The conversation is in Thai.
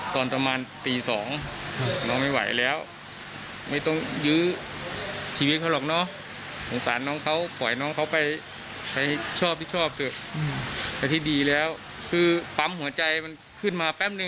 ตอนประมาณตี๒หนูไม่ไหวแล้วไม่ต้องยื้อชีวิตเขาหรอกเนาะ